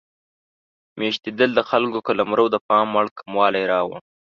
میشتېدل د خلکو قلمرو د پام وړ کموالی راوړ.